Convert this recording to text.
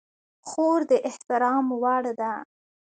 خور د احترام وړ ده.